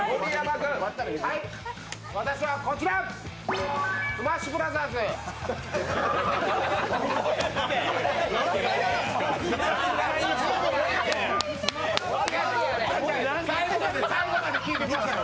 私はこちら、「スマッシュブラザーズ」最後まで聞いてください。